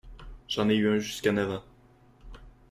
J'en ai eu un jusqu'à neuf ans.